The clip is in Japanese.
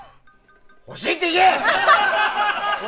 欲しいって言え！